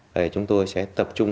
vậy chúng tôi sẽ tập trung